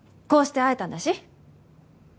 こうして会えたんだし。